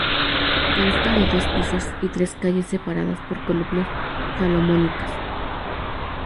Consta de dos pisos y tres calles separadas por columnas salomónicas.